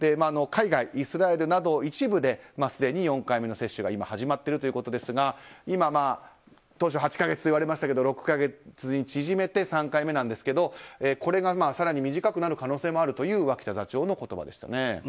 海外のイスラエルなど一部ですでに４回目の接種が今、始まっているということですが当初８か月といわれましたけど６か月に縮めて３回目ですけどこれが更に短くなる可能性もあるという脇田座長の言葉でした。